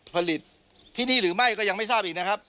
ผลิตที่นี่หรือไม่ก็ยังไม่ทราบอีกนะครับ